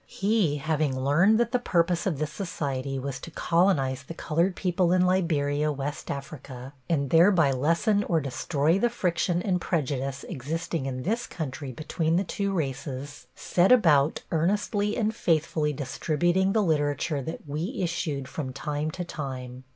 He having learned that the purpose of this society was to colonize the colored people in Liberia, West Africa, and thereby lessen or destroy the friction and prejudice existing in this country between the two races, set about earnestly and faithfully distributing the literature that we issued from time to time.